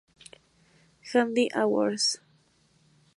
Handy Awards.